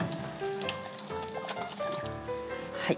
はい。